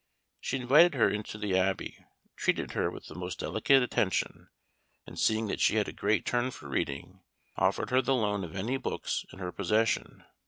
She invited her into the Abbey; treated her with the most delicate attention, and, seeing that she had a great turn for reading, offered her the loan of any books in her possession.